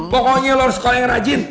pokoknya lo harus sekolah yang rajin